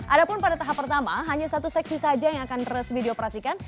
adapun pada tahap pertama hanya satu seksi saja yang akan resmi dioperasikan